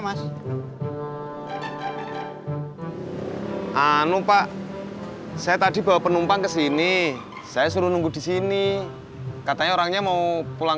mas anu pak saya tadi bawa penumpang ke sini saya suruh nunggu di sini katanya orangnya mau pulang